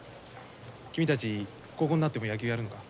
君たち高校になっても野球やるのか？